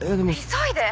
急いで！